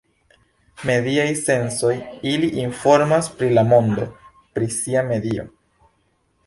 Mediaj sensoj, ili informas pri la mondo; pri sia medio.